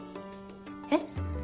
えっ！？